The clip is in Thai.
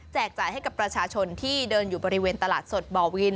จ่ายให้กับประชาชนที่เดินอยู่บริเวณตลาดสดบ่อวิน